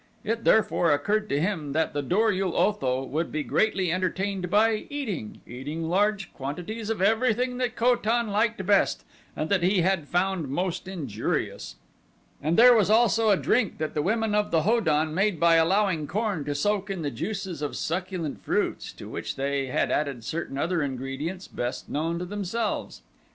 It therefore occurred to him that the Dor ul Otho would be greatly entertained by eating eating large quantities of everything that Ko tan liked best and that he had found most injurious; and there was also a drink that the women of the Ho don made by allowing corn to soak in the juices of succulent fruits, to which they had added certain other ingredients best known to themselves.